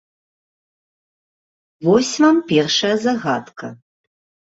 Вось вам першая загадка.